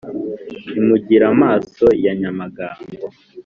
i mugira-maso ya nyamagambo.